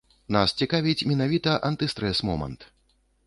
Нас цікавіць менавіта антыстрэс-момант.